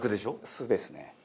酢ですね。